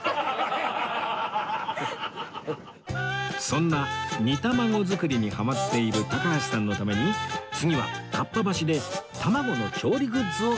そんな煮卵作りにハマっている高橋さんのために次はかっぱ橋で卵の調理グッズを探す事に